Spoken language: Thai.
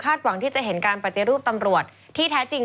คาดหวังว่าการปฏิรูปตำรวจที่แท้จริง